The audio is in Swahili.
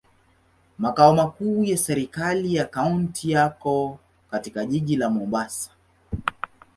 Makao makuu ya serikali ya kaunti yako katika jiji la Mombasa.